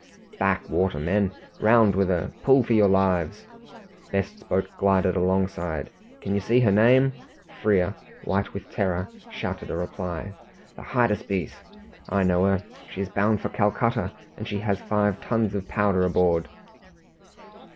"Back water, men! Round with her! Pull for your lives!" Best's boat glided alongside. "Can you see her name?" Frere, white with terror, shouted a reply. "The Hydaspes! I know her. She is bound for Calcutta, and she has five tons of powder aboard!"